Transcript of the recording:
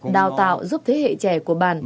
đào tạo giúp thế hệ trẻ của bản